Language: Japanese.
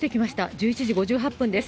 １１時５８分です。